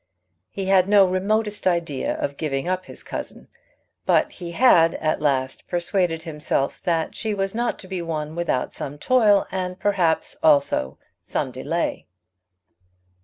He had no remotest idea of giving up his cousin, but he had at last persuaded himself that she was not to be won without some toil, and perhaps also some delay.